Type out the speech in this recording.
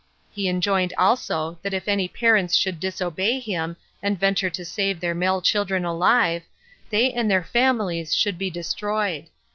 He enjoined also, that if any parents should disobey him, and venture to save their male children alive, 20 they and their families should be destroyed.